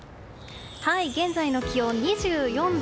現在の気温２４度。